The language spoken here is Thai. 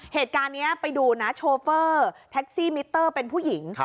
เหตุการณ์นี้ไปดูนะโชเฟอร์แท็กซี่มิเตอร์เป็นผู้หญิง